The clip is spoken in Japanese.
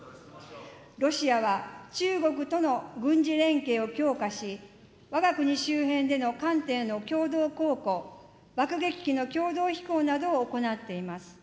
ロシアは中国との軍事連携を強化し、わが国周辺での艦艇の共同航行、爆撃機の共同飛行などを行っています。